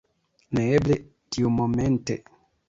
Neeble, tiumomente.